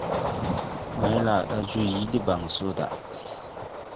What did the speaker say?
Maylaada yõõ yii debaŋ so da.